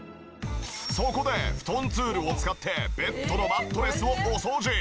そこでフトンツールを使ってベッドのマットレスをお掃除。